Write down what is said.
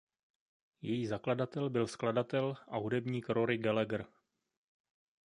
Její zakladatel byl skladatel a hudebník Rory Gallagher.